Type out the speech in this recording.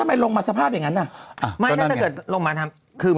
ไม่รู้